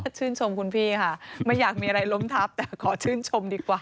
ชื่นชมคุณพี่ค่ะไม่อยากมีอะไรล้มทับแต่ขอชื่นชมดีกว่า